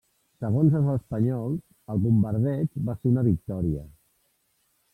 Segons els espanyols, el bombardeig va ser una victòria.